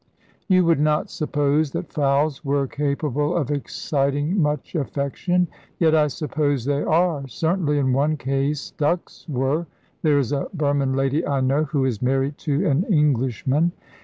You would not suppose that fowls were capable of exciting much affection, yet I suppose they are. Certainly in one case ducks were. There is a Burman lady I know who is married to an Englishman.